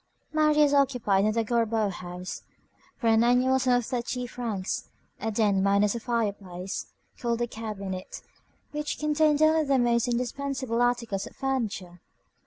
Marius occupied in the Gorbeau house, for an annual sum of thirty francs, a den minus a fireplace, called a cabinet, which contained only the most indispensable articles of furniture.